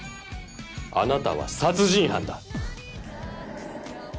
あなたは殺人犯だ！